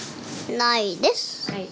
ないです！